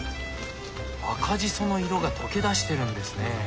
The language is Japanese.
赤じその色が溶け出してるんですね。